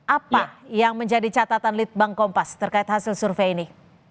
apa yang menjadi catatan litbang kompas terkait hasil survei ini